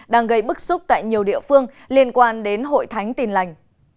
đang gây bức xúc tại nhiều địa phương liên quan đến hội thánh tin lành